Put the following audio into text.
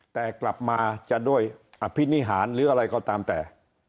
แต่กลับมาจะด้วยอภินิหารหรืออะไรก็ตามแต่